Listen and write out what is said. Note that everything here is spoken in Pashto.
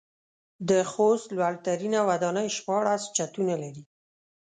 د خوست لوړ ترينه وداني شپاړس چتونه لري.